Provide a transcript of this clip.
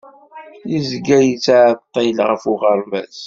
Yezga yettɛeḍḍil ɣef uɣerbaz.